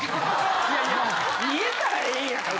いやいや見えたらええんやから。